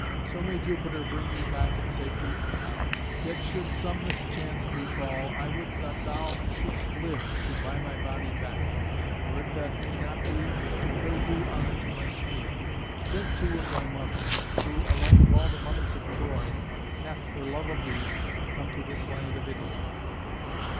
So may Jupiter bring me back in safety and honour. Yet should some mischance befall I would that thou yet shouldst live, to buy my body back, or, if that may not be, to pay due honour to my spirit. Think, too, of thy mother, who, alone of all the mothers of Troy, hath, for love of thee, come to this land of Italy."